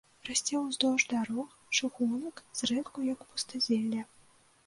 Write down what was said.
Расце ўздоўж дарог, чыгунак, зрэдку як пустазелле.